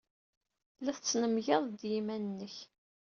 La tettnemgaled ed yiman-nnek.